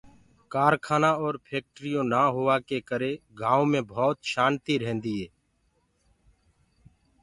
ڪآرکآنآ اور ڦيڪٽريونٚ نآ هوآ ڪي ڪري گآئونٚ مي ڀوت شآنتيٚ رهندي هي۔